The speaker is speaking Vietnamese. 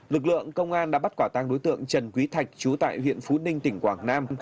lực lượng công an đã bắt quả tăng đối tượng trần quý thạch trú tại huyện phú ninh tỉnh quảng nam